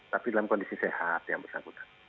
tapi dalam kondisi sehat yang bersangkutan